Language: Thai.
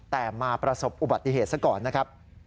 แต่มาประสบอุบัติเหตุซะก่อนนะครับ